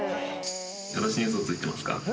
「私にウソついてますか？」